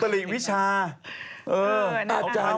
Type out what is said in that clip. คุณแองจี้น่ารักค่ะ